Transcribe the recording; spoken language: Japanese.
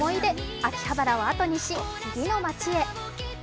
秋葉原をあとにし、次の街へ。